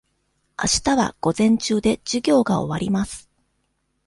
あしたは午前中で授業が終わります。